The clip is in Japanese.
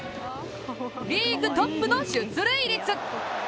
リーグトップの出塁率！